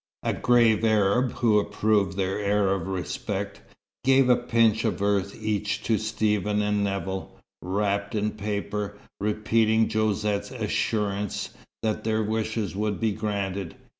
A grave Arab who approved their air of respect, gave a pinch of earth each to Stephen and Nevill, wrapped in paper, repeating Josette's assurance that their wishes would be granted.